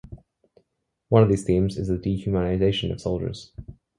One of these themes is the dehumanization of soldiers.